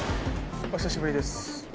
お久しぶりです。